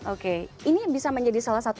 oke ini bisa menjadi salah satu